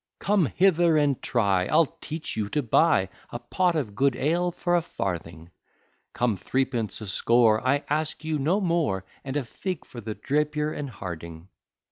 Come hither and try, I'll teach you to buy A pot of good ale for a farthing; Come, threepence a score, I ask you no more, And a fig for the Drapier and Harding.